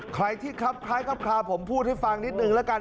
ใครที่ครับคล้ายครับคลาผมพูดให้ฟังนิดนึงแล้วกัน